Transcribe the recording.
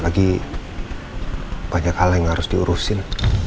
lagi banyak hal yang harus diurusin